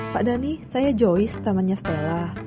pak dhani saya joyce namanya stella